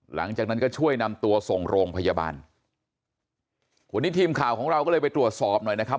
หลังจากนั้นก็ช่วยนำตัวส่งโรงพยาบาลวันนี้ทีมข่าวของเราก็เลยไปตรวจสอบหน่อยนะครับ